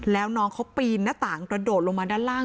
แล้วน้องเขาปีนหน้าต่างกระโดดลงมาด้านล่าง